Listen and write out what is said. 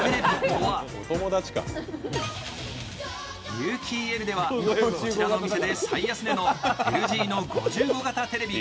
有機ＥＬではこちらのお店では最安値のＬＧの５５型テレビ。